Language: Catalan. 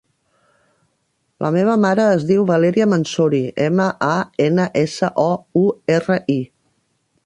La meva mare es diu Valèria Mansouri: ema, a, ena, essa, o, u, erra, i.